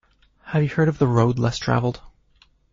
Have you heard of The Road Less Travelled?